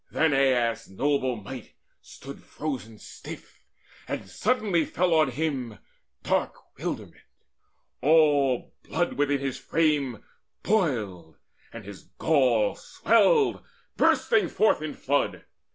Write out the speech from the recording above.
Then Aias' noble might Stood frozen stiff; and suddenly fell on him Dark wilderment; all blood within his frame Boiled, and his gall swelled, bursting forth in flood.